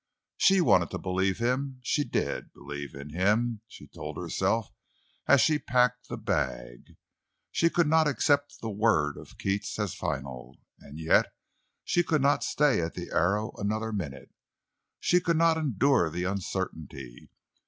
She wanted to believe in him—she did believe in him, she told herself as she packed the bag; she could not accept the word of Keats as final. And yet she could not stay at the Arrow another minute—she could not endure the uncertainty.